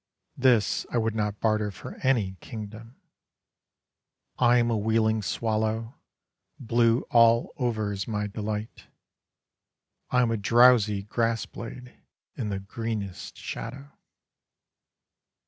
This I would not barter for any kingdom. I am a wheeling swallow, Blue all over is my delight. I am a drowsy grass blade In the greenest shadow.